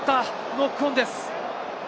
ノックオンです。